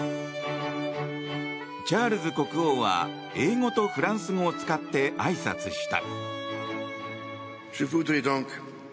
チャールズ国王は英語とフランス語を使ってあいさつした。